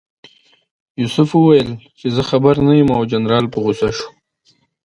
یوسف وویل چې زه خبر نه یم او جنرال په غوسه شو.